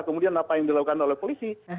kemudian apa yang dilakukan oleh polisi